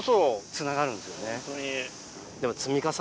つながるんですよね。